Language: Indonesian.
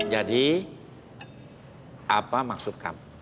jadi apa maksud kamu